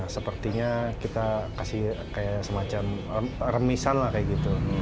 sepertinya kita kasih kayak semacam remisan lah kayak gitu